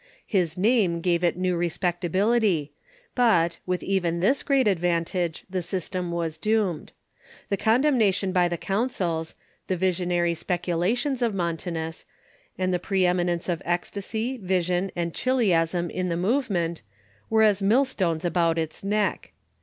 His name gave it new respectability ; but, with even this great advantage, the system was doomed. The condemnation by the councils ; the visionary speculations of Montanus ; and the prominence of ecstasy, vision, and chiliasm in the move ment, were as millstones about its neck.